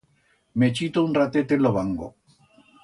Me chito un ratet en lo bango.